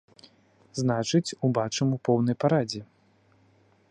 Значыць, убачым у поўнай парадзе?